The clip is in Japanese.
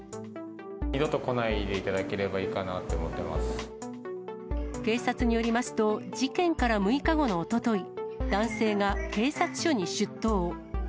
二度と来ないでいただければ警察によりますと、事件から６日後のおととい、男性が警察署に出頭。